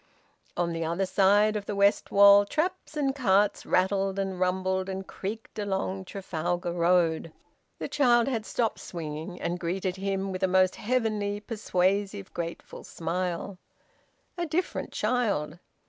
On the other side of the west wall traps and carts rattled and rumbled and creaked along Trafalgar Road. The child had stopped swinging, and greeted him with a most heavenly persuasive grateful smile. A different child!